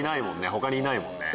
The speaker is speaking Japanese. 他にいないもんね。